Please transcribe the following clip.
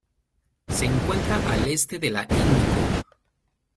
Se encuentra al este de la Índico.